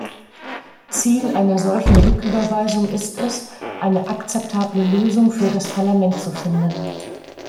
Ziel einer solchen Rücküberweisung ist es, eine akzeptable Lösung für das Parlament zu finden.